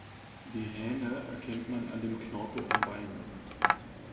Die Hähne erkennt man an dem Knorpel am Bein.